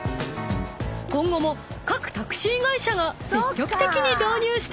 ［今後も各タクシー会社が積極的に導入していく予定です］